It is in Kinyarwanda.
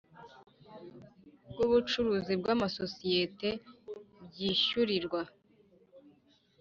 By ubucuruzi bw amasosiyeti byishyurirwa